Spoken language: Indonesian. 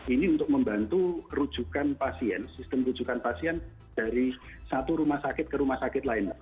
ini untuk membantu rujukan pasien sistem rujukan pasien dari satu rumah sakit ke rumah sakit lain